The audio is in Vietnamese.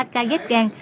một mươi ba ca ghép gan